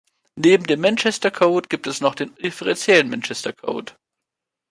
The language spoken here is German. Neben dem Manchester-Code gibt es noch den differentiellen Manchester-Code.